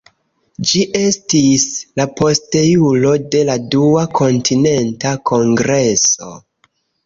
Ĝi estis la posteulo de la Dua Kontinenta Kongreso.